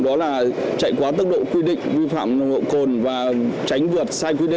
đó là chạy quá tốc độ quy định vi phạm nộp cồn và tránh vượt